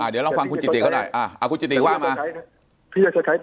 เดี๋ยวลองฟังคุณจิตติเค้าได้ดีต้อครับ